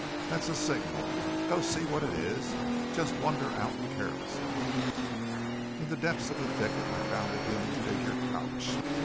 "That's a signal. Go see what it is. Just wander out carelessly." In the depths of the thicket I found a human figure crouched.